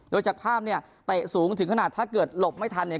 โดยจากภาพเนี่ยเตะสูงถึงขนาดถ้าเกิดหลบไม่ทันเนี่ย